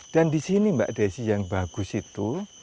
dan di sini mbak desy yang bagus itu